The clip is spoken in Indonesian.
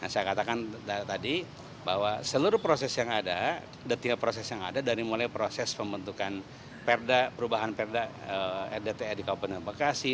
saya katakan tadi bahwa seluruh proses yang ada detail proses yang ada dari mulai proses pembentukan perda perubahan perda rdtr di kabupaten bekasi